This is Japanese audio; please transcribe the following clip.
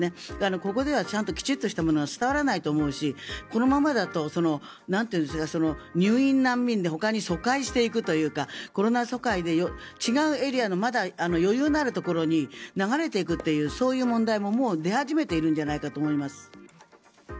これではちゃんときちんとしたものは伝わらないと思うしこのままだと入院難民でほかに疎開していくというかコロナ疎開で違うエリアのまだ余裕のあるところに流れていくというそういう問題も出始めているんじゃないかと思います。